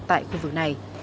tại khu vực này